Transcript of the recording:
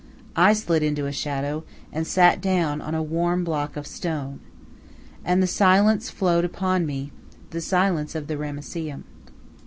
I slid into a shadow, and sat down on a warm block of stone. And the silence flowed upon me the silence of the Ramesseum.